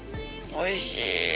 おいしい！